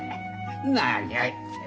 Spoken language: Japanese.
何を言ってる。